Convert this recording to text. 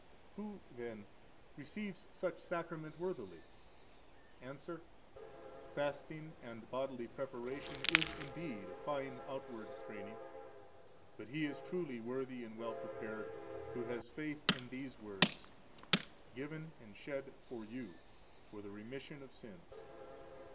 Who, then, receives such Sacrament worthily? –Answer: Fasting and bodily preparation is, indeed, a fine outward training; but he is truly worthy and well prepared who has faith in these words: Given, and shed for you, for the remission of sins.